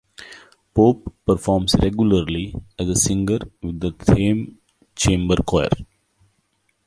Pope performs regularly as a singer with the Thame Chamber Choir.